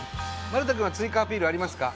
丸田くんは追加アピールありますか？